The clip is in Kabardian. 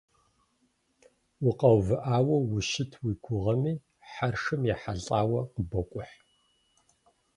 Укъэувыӏауэ ущыт уи гугъэми, хьэршым ехьэлӏауэ къыбокӏухь.